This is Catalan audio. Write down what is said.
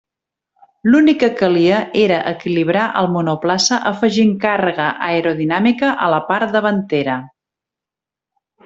L’únic que calia era equilibrar el monoplaça afegint càrrega aerodinàmica a la part davantera.